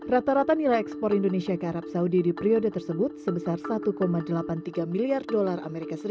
rata rata nilai ekspor indonesia ke arab saudi di periode tersebut sebesar satu delapan puluh tiga miliar dolar as